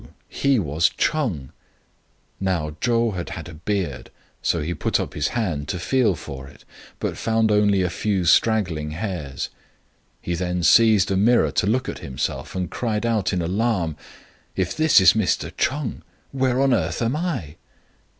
he was Ch'eng. Now Chou had had a beard, so he put up his hand to feel for it, but found only a few straggling hairs. He then seized a mirror to look at himself, and cried out in alarm :" If this is Mr. Ch'eng, where on earth am I?"